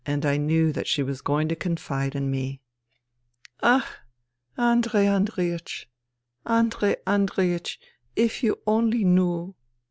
And I knew that she was going to confide in me. '' Ach ! Andrei Andreiech ! Andrei Andreiech I If you only knew.